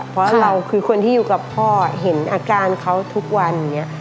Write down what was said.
เพราะเราคือคนที่อยู่กับพ่อเห็นอาการเขาทุกวันอย่างนี้